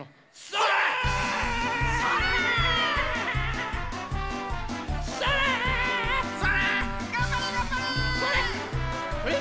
それ！